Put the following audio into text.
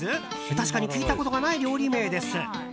確かに聞いたことがない料理名です。